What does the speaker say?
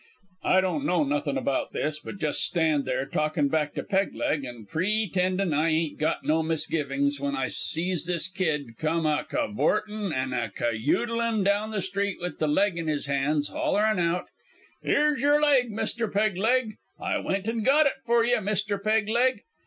"I don't know nothin' about this, but jes' stand there talkin' back to Peg leg, an' pre tendin' I ain't got no misgivings, when I sees this kid comin' a cavoortin' an' a cayoodlin' down the street with the leg in his hands, hollerin' out: "'Here's your leg, Mister Peg leg! I went an' got it for you, Mister Peg leg!'